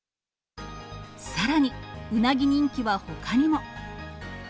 さらに、うなぎ人気はほかにも。